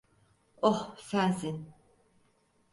Oh, sensin.